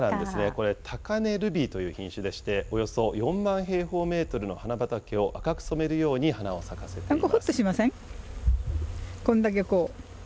これ、高嶺ルビーという品種でして、およそ４万平方メートルの花畑を赤く染めるように花を咲かせています。